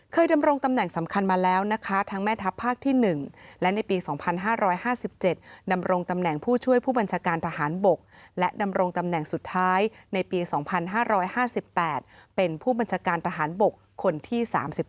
ดำรงตำแหน่งสำคัญมาแล้วนะคะทั้งแม่ทัพภาคที่๑และในปี๒๕๕๗ดำรงตำแหน่งผู้ช่วยผู้บัญชาการทหารบกและดำรงตำแหน่งสุดท้ายในปี๒๕๕๘เป็นผู้บัญชาการทหารบกคนที่๓๙